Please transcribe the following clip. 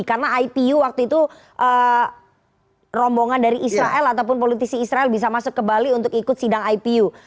karena ipu waktu itu rombongan dari israel ataupun politisi israel bisa masuk ke bali untuk ikut sidang ipu